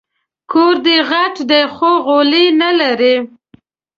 کور دي غټ دی خو غولی نه لري